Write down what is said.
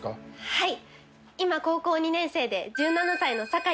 はい！